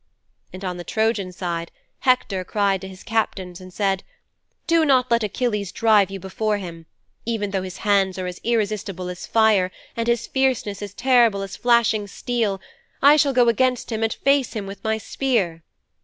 "' 'And on the Trojan side Hector cried to his captains and said, "Do not let Achilles drive you before him. Even though his hands are as irresistible as fire and his fierceness as terrible as flashing steel, I shall go against him and face him with my spear."'